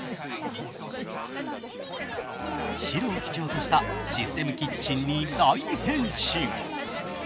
白を基調としたシステムキッチンに大変身。